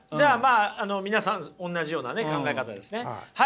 あの皆さんおんなじようなね考え方ですね。